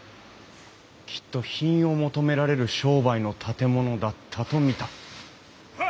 きっと品を求められる商売の建物だったと見た。